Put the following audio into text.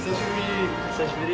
久しぶり！